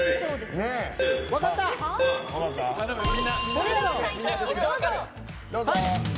それでは回答どうぞ。